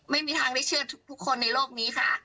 ไม่มีทางได้เชื่อทุกคนในโลกนี้ค่ะ